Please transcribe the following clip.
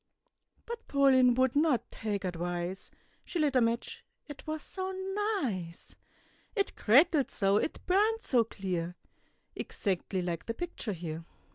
But Pauline would not take advice, She lit a match, it was so nice! It crackled so, it burned so clear, Exactly like the picture here.